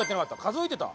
数えてた？